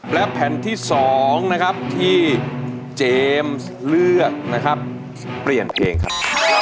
และแผ่นที่๒นะครับที่เจมส์เลือกนะครับเปลี่ยนเพลงครับ